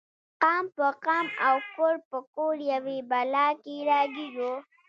قام په قام او کور په کور یوې بلا کې راګیر و.